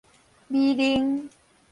米奶